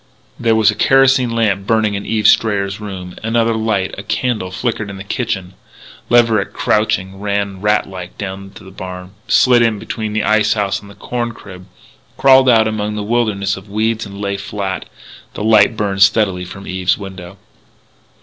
There was a kerosene lamp burning in Eve Strayer's rooms. Another light a candle flickered in the kitchen. Leverett, crouching, ran rat like down to the barn, slid in between the ice house and corn crib, crawled out among the wilderness of weeds and lay flat. The light burned steadily from Eve's window.